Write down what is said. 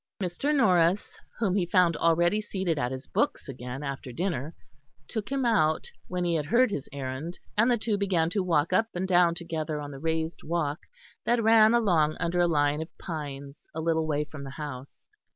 Mr. Norris, whom he found already seated at his books again after dinner, took him out when he had heard his errand, and the two began to walk up and down together on the raised walk that ran along under a line of pines a little way from the house.